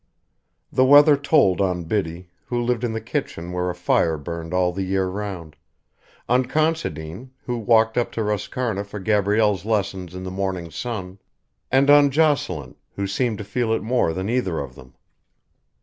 The weather told on Biddy, who lived in the kitchen where a fire burned all the year round, on Considine, who walked up to Roscarna for Gabrielle's lessons in the morning sun, and on Jocelyn, who seemed to feel it more than either of them.